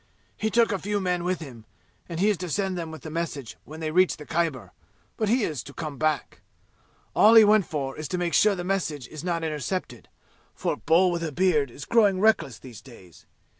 "He took a few men with him, and he is to send them with the message when they reach the Khyber, but he is to come back. All he went for is to make sure the message is not intercepted, for Bull with a beard is growing reckless these days.